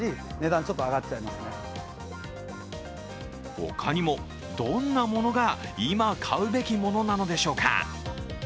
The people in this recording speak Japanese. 他にもどんなものが今、買うべきものなのでしょうか。